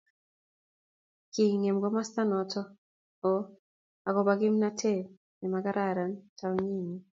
Kigingem komostanoto oo agoba kimnatet nemagararan taunenyi